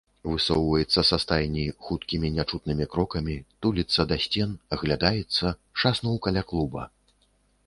Высоўваецца са стайні хуткімі нячутнымі крокамі, туліцца да сцен, аглядаецца, шаснуў каля клуба.